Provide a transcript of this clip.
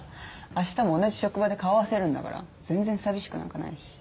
あしたも同じ職場で顔合わせるんだから全然寂しくなんかないし。